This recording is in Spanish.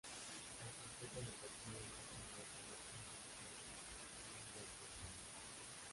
El complejo deportivo está formado por dos campos de juego y uno de entrenamiento.